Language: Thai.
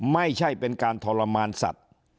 ไม่ใช่เป็นการทรมานสัตว์